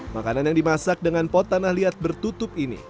makanan yang dimasak dengan pot tanah liat bertutup ini